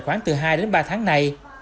khoảng từ hai đến ba tháng này